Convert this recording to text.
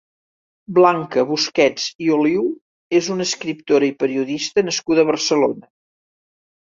Blanca Busquets i Oliu és una escriptora i periodista nascuda a Barcelona.